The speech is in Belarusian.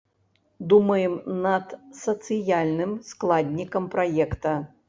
Думаем над сацыяльным складнікам праекта.